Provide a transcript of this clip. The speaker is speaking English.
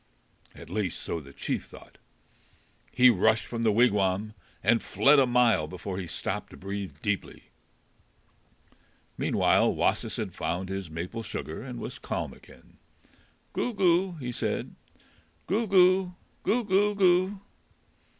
At least so the chief thought. He rushed from the wigwam and fled a mile before he stopped to breathe deeply. Meanwhile Wasis had found his maple sugar and was calm again. "Goo, goo!" he said; "Goo, goo! Goo, goo, goo!"